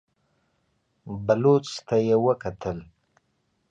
بلوڅ ته يې وکتل.